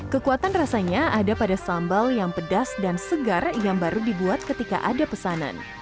kekuatan rasanya ada pada sambal yang pedas dan segar yang baru dibuat ketika ada pesanan